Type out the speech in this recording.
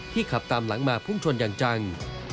ขับตามหลังมาพุ่งชนอย่างจัง